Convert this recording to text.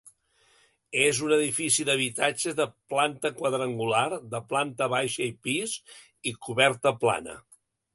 És un edifici d'habitatges de planta quadrangular, de planta baixa i pis, i coberta plana.